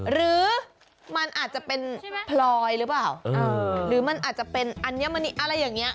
หรือมันอาจจะเป็นพลอยหรือเปล่าหรือมันอาจจะเป็นอัญมณีอะไรอย่างนี้